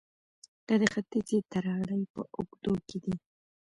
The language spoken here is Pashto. دا د ختیځې تراړې په اوږدو کې دي